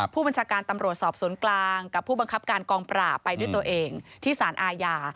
ผู้บัญชาการตำรวจสอบสวนกลางกับผู้บังคับการกองปราบไปด้วยตัวเองที่สารอาญา